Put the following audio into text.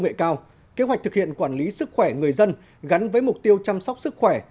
nghệ cao kế hoạch thực hiện quản lý sức khỏe người dân gắn với mục tiêu chăm sóc sức khỏe